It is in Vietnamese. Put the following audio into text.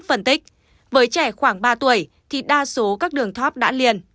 phần tích với trẻ khoảng ba tuổi thì đa số các đường thóp đã liền